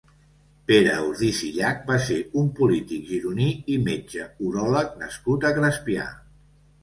Pere Ordis i Llach va ser un polític gironí i metge uròleg nascut a Crespià.